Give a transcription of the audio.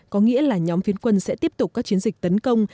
có nghĩa là nhóm phiến quân sẽ tiếp tục các chiến dịch tấn công